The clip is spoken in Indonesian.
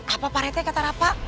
apa pak rete kata rafa